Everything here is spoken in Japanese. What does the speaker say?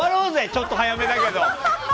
ちょっと早めだけど。